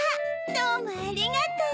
どうもありがとう。